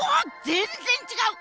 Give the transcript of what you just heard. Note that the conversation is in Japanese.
全然違う！